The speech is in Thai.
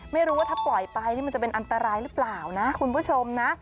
ไม่รู้ว่าถ้าปล่อยไปนี่มันจะเป็นอันตรายหรือเปล่านะคุณผู้ชมนะ